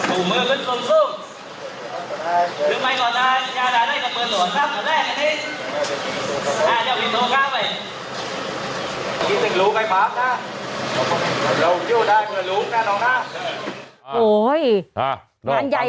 อุ้ยงานใหญ่นะ